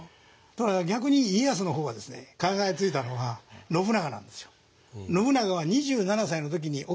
逆に家康の方がですね考えついたのは信長なんですよ。